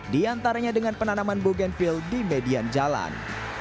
di antaranya dengan penanaman bogenville di median jalan